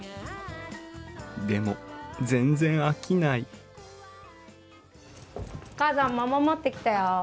でも全然飽きないお母さん桃持ってきたよ。